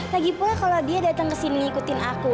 lagipula kalau dia datang kesini ngikutin aku